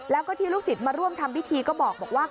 แล้วก็ที่ลูกศิษย์มาร่วมทำพิธีก็บอกว่า